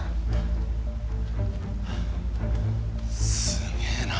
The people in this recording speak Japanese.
すげえな。